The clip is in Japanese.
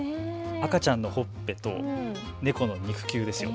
赤ちゃんのほっぺと猫の肉球ですよ。